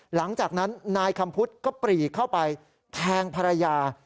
หลังจากนั้นนายคำพุทธก็ปรีเข้าไปแทงภรรยา